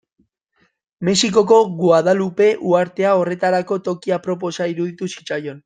Mexikoko Guadalupe uhartea horretarako toki aproposa iruditu zitzaion.